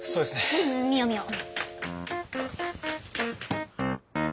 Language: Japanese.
うんうん見よう見よう。